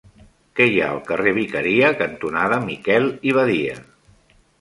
Què hi ha al carrer Vicaria cantonada Miquel i Badia?